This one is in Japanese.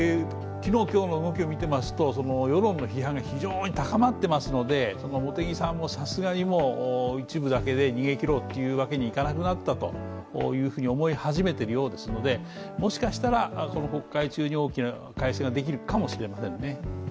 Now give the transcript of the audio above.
昨日今日の動きを見ていますと世論の批判が非常に高まっていますので茂木さんもさすがに一部だけで逃げ切ろうというわけにいかなくなったと思い始めているようなのでもしかしたら、この国会中に大きな改正ができるかもしれませんね。